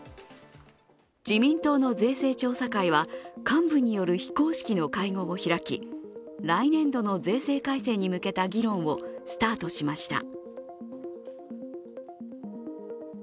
自民党の税制調査会は幹部による非公式の会合を開き、来年度の税制改正に向けた議論をスタートしました。